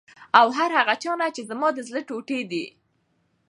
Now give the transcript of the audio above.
او هر هغه چا نه چې زما د زړه ټوټې دي،